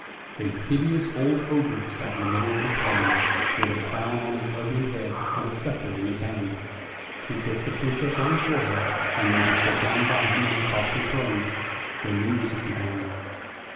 A hideous old ogre sat in the middle of the throne with a crown on his ugly head and a sceptre in his hand. He kissed the Princess on her forehead, and made her sit down by him on the costlv throne, then the music began!